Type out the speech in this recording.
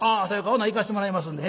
ほな行かしてもらいますんで」。